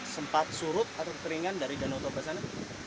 sempat surut air keringan dari danau toba sana